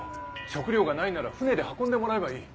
食料がないなら船で運んでもらえばいい。